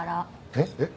えっ？えっ？